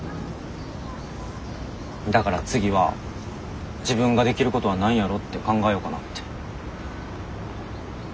だから次は自分ができることは何やろうって考えようかなって。